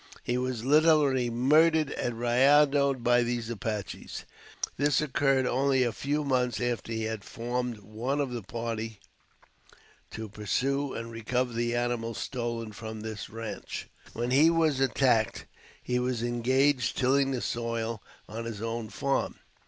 He was literally murdered at Rayado by these Apaches. This occurred only a few months after he had formed one of the party to pursue and recover the animals stolen from their ranche. When he was attacked, New was engaged tilling the soil on his own farm.